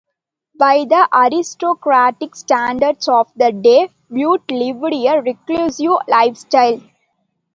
By the aristocratic standards of the day, Bute lived a reclusive lifestyle.